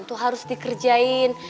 itu harus dikerjain